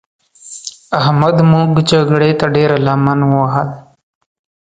احمد موږ جګړې ته ډېره لمن ووهل.